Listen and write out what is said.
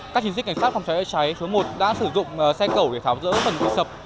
các chính sức cảnh sát phòng cháy đã sử dụng xe cẩu để tháo dỡ phần bị sập